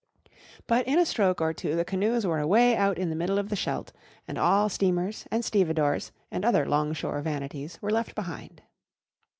But in a stroke or two the canoes were away out in the middle of the Scheldt, and all steamers, and stevedores, and other 'long shore vanities were left behind.